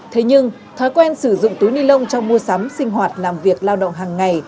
thế nhưng thói quen sử dụng túi ni lông trong mua sắm sinh hoạt làm việc lao động hàng ngày